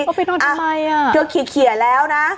เขาไปนอนทำไมน่ะเขาเขียนแล้วนะ